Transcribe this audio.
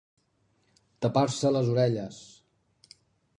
Tapar-se les orelles.